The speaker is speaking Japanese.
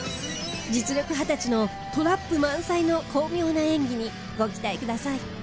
実力派たちのトラップ満載の巧妙な演技にご期待ください！